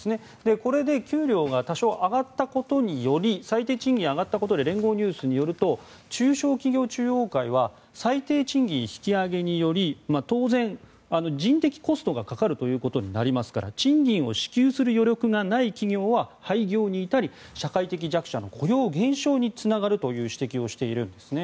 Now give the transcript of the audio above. これで給料が多少、上がったことにより最低賃金が上がったことで聯合ニュースによると中小企業中央会は最低賃金引き上げにより当然、人的コストがかかるということになるので賃金を支給する余力がない企業は廃業に至り社会的弱者の雇用減少につながるという指摘をしているんですね。